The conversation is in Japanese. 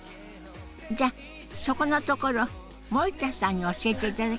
じゃあそこのところ森田さんに教えていただきましょう。